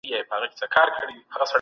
پیاوړي هډوکي د روغتیا نښه ده.